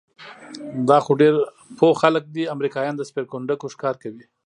دا خو ډېر پوه خلک دي، امریکایان د سپېرکونډکو ښکار کوي؟